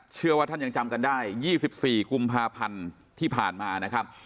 เชื่อว่าท่านยังจำกันได้๒๔กุมภาพันธ์ที่ผ่านมานะครับ